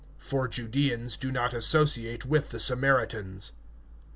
For Jews do not associate with Samaritans.